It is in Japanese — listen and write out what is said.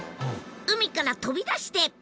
海から飛び出して。